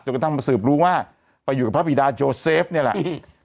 กระทั่งมาสืบรู้ว่าไปอยู่กับพระบิดาโจเซฟเนี่ยแหละ